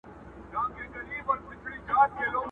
زړه پر زړه دئ.